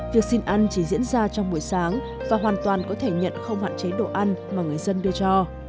việc xin ăn chỉ diễn ra trong buổi sáng và hoàn toàn có thể nhận không hạn chế độ ăn mà người dân đưa cho